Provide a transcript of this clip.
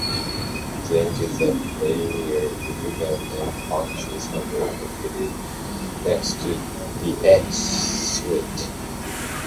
Zinc is a premiere event and function center located next to The Edge theatre.